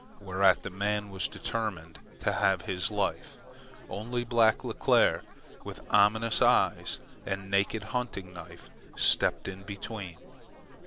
Whereat the man was determined to have his life, only Black Leclere, with ominous eyes and naked hunting knife, stepped in between.